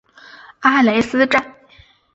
阿莱斯站。